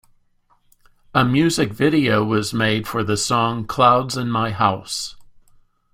A music video was made for the song "Clouds in My House".